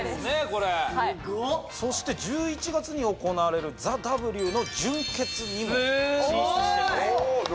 これはいそして１１月に行われるＴＨＥＷの準決にも進出してますすごい！